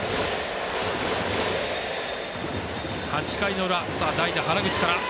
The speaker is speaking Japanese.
８回の裏、代打、原口から。